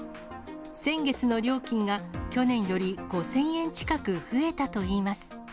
先月の料金が、去年より５０００円近く増えたといいます。